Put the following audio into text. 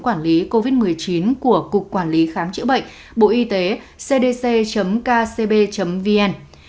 quản lý covid một mươi chín của cục quản lý khám chữa bệnh bộ y tế cdc kcb vn